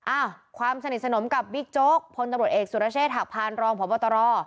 อ่ะความสนิทสนมกับบิ๊กโจ๊กพลตำรวจเอกสุรเชษฐหักพานรองพบตร